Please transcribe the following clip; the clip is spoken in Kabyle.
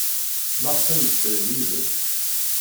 Maɣef ay ddren yid-s?